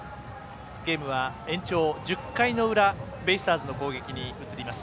ゲームは延長１０回の裏ベイスターズの攻撃に移ります。